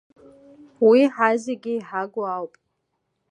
Уи ҳазегьы иҳагу ауп.